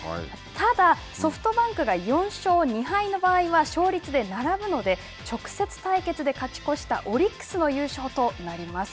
ただ、ソフトバンクが４勝２敗の場合は勝率で並ぶので、直接対決で勝ち越したオリックスの優勝となります。